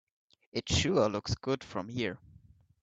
It sure looks good from here.